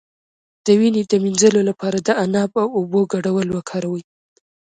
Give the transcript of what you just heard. د وینې د مینځلو لپاره د عناب او اوبو ګډول وکاروئ